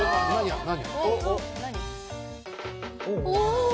何？